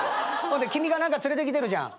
君が何か連れてきてるじゃん。